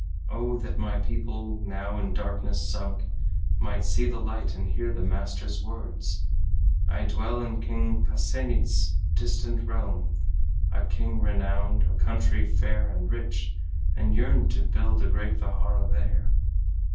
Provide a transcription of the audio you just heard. O that my people, now in darkness sunk, Might see the light and hear the master's words! I dwell in King Pasenit's distant realm A king renowned, a country fair and rich And yearn to build a great vihara there."